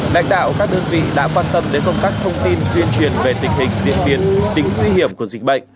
lãnh đạo các đơn vị đã quan tâm đến công tác thông tin tuyên truyền về tình hình diễn biến tính nguy hiểm của dịch bệnh